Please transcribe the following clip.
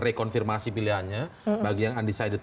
rekonfirmasi pilihannya bagi yang undecided